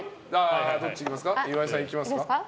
岩井さん、行きますか？